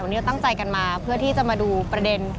วันนี้เราตั้งใจกันมาเพื่อที่จะมาดูประเด็น